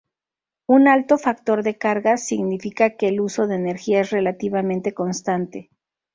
Un alto factor de carga significa que el uso de energía es relativamente constante.